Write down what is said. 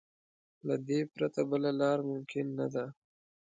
له دې پرته بله لار ممکن نه ده.